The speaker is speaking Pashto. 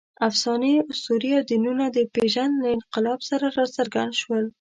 افسانې، اسطورې او دینونه د پېژند له انقلاب سره راڅرګند شول.